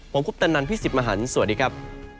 ผมคุณปันนันพี่สิบมหันสวัสดีครับ